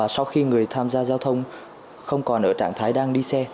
sau khi người tham gia giao thông không còn ở trạng thái đang đi xe